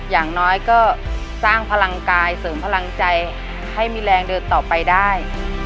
อย่างน้อยก็สร้างพลังกายเสริมพลังใจให้มีแรงเดินต่อไปได้